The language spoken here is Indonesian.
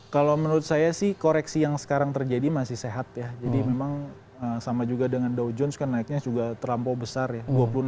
kalau menurut saya sih koreksi yang sekarang terjadi masih sehat ya jadi memang sama juga dengan dow jones kan naiknya juga terlampau besar ya